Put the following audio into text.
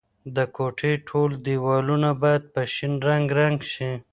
د کوټې ټول دیوالونه باید په شین رنګ رنګ شي.